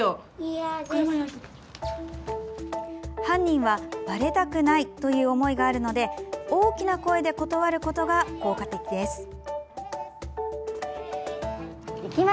犯人はばれたくないという思いがあるので大きな声で断ることが効果的です。